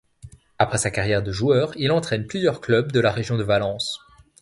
Après sa carrière de joueur, il entraîne plusieurs clubs de la région de Valence.